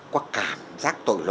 có cảm giác tội lỗi